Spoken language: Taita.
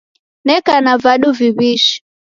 Neka na vadu viw'ishi